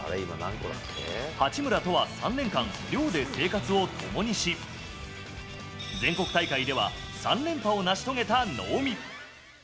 八村とは３年間、寮で生活を共にし、全国大会では３連覇を成し遂げた納見。